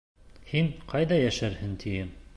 Һин ҡайҙа йәшәрһең, тием.